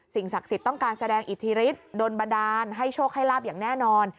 ศักดิ์สิทธิ์ต้องการแสดงอิทธิฤทธิ์โดนบันดาลให้โชคให้ลาบอย่างแน่นอน